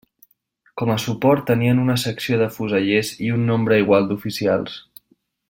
Com a suport tenien una secció de fusellers i un nombre igual d'oficials.